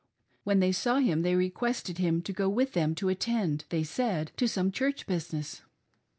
When they saw him they re quested him to go with them to attend, they said, to some Church business.